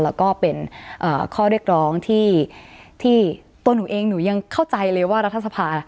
แล้วก็เป็นข้อเรียกร้องที่ตัวหนูเองหนูยังเข้าใจเลยว่ารัฐสภา